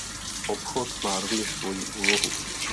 Obchod má rovněž svoji úlohu.